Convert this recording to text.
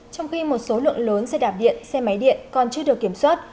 trong khi một số lượng lớn xe đạp điện xe máy điện còn chưa được kiểm soát